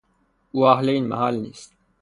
او اهل این محل نیست.